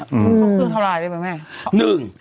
ต้องการเท่าไหร่ได้ไหม